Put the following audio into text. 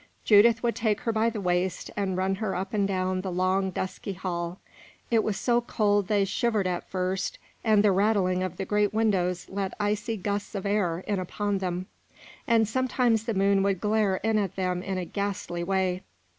Judith would take her by the waist and run her up and down the long, dusky hall. It was so cold they shivered at first, and the rattling of the great windows let icy gusts of air in upon them; and sometimes the moon would glare in at them in a ghastly way.